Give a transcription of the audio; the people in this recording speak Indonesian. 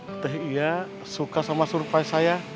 teteh ia suka sama surprise saya